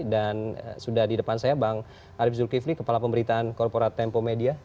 dan sudah di depan saya bang arief zulkifli kepala pemberitaan korporat tempo media